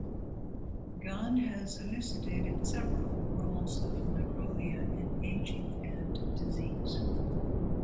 Gan has elucidated several roles of microglia in aging and disease.